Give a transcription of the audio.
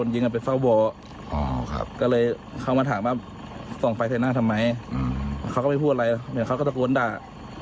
เจ็บมากไหมครับตอนนี้โดนยิงเข้าในออกคลางซาย